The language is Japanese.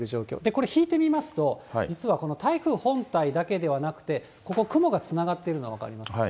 これ、引いて見ますと、実はこの台風本体だけではなくて、ここ、雲がつながっているの分かりますか。